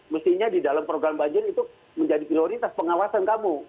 mestinya di dalam program banjir itu menjadi prioritas pengawasan kamu